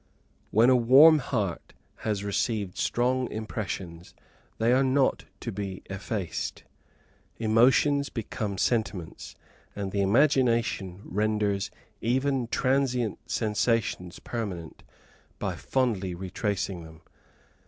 When a warm heart has received strong impressions, they are not to be effaced. Emotions become sentiments, and the imagination renders even transient sensations permanent by fondly retracing them.